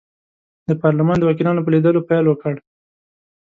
د پارلمان د وکیلانو په لیدلو پیل وکړ.